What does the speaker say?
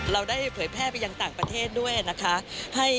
เราได้เผยแพร่ไปยังต่างประเทศด้วยนะคะ